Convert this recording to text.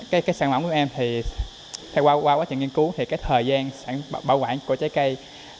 cái sản phẩm của em thì theo qua quá trình nghiên cứu thì cái thời gian bảo quản của trái cây